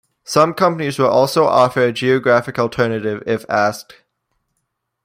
Some companies will also offer a geographic alternative if asked.